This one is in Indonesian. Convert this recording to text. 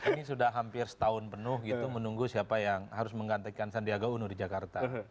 ini sudah hampir setahun penuh gitu menunggu siapa yang harus menggantikan sandiaga uno di jakarta